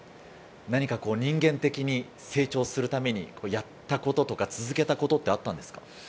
何か人間的に成長するためにやったこととか続けたことってあったんですか？